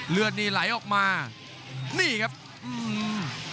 เลือดนี่ไหลออกมานี่ครับอืม